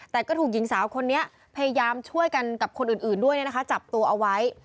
แต่ก็ถูกหญิงสาวคนนี้พยายามช่วยกันกับคนอื่นด้วยจับตัวเอาไว้